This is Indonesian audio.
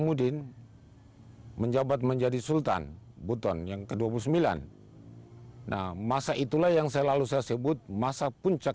mudin menjabat menjadi sultan buton yang ke dua puluh sembilan nah masa itulah yang selalu saya sebut masa puncak